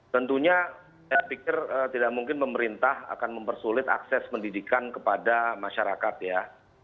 tentunya saya pikir tidak mungkin pemerintah akan mempersulit akses pendidikan kepada masyarakat ya